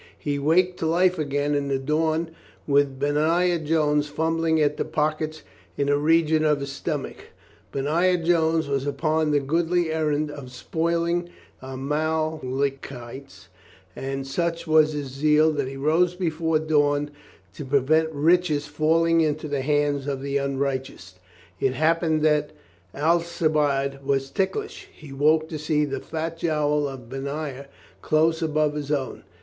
He waked to life again in the dawn with Benaiah Jones fumbling at the pockets in the region of his stom ach. Benaiah Jones was upon the godly errand of spoiling the Amalekites, and such was his zeal that he rose before dawn to prevent riches falling into the hands of unrighteousness. It happened that Alci biade was ticklish. He woke to see the fat jowl of Benaiah close above his own.